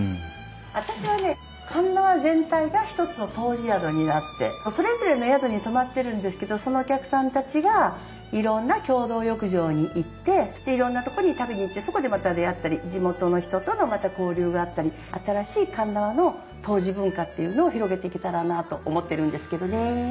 私はね鉄輪全体が一つの湯治宿になってそれぞれの宿に泊まってるんですけどそのお客さんたちがいろんな共同浴場に行ってでいろんなとこに食べに行ってそこでまた出会ったり地元の人との交流があったり新しい鉄輪の湯治文化っていうのを広げていけたらなあと思ってるんですけどねえ。